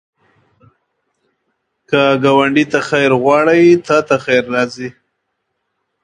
که ګاونډي ته خیر غواړې، تا ته خیر راځي